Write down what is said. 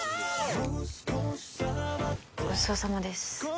ごちそうさまです。